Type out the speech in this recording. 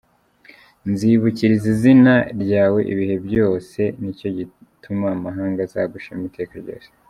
Nzibukiriza izina ryawe ibihe byose, Ni cyo gituma amahanga azagushima iteka ryose.